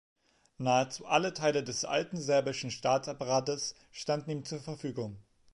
Nahezu alle Teile des alten serbischen Staatsapparates standen ihm zur Verfügung.